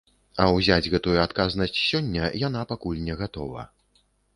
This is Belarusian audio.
А ўзяць гэтую адказнасць сёння, яна пакуль не гатова.